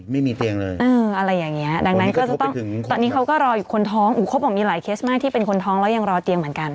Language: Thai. ไม่มีเตียงเลยอะไรอย่างนี้ดังนั้นก็จะต้องถึงตอนนี้เขาก็รออยู่คนท้องเขาบอกมีหลายเคสมากที่เป็นคนท้องแล้วยังรอเตียงเหมือนกัน